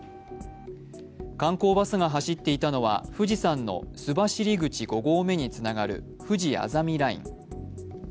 観光バスが走っていたのは富士山の須走口五合目につながるふじあざみライン。